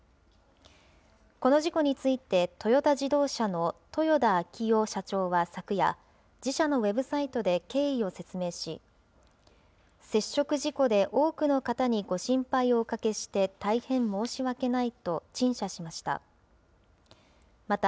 この事故について、トヨタ自動車の豊田章男社長は昨夜、自社のウェブサイトで経緯を説明し、接触事故で多くの方にご心配をおかけして、大変申し訳ないと陳謝しました。